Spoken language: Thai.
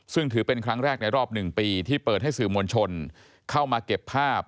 ซึ่งถือเป็นครั้งแรกในรอบ๑ปีที่เปิดให้สื่อมวลชนเข้ามาเก็บภาพ